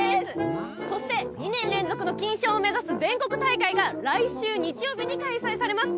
そして、２年連続の金賞を目指す全国大会が来週日曜日に開催されます。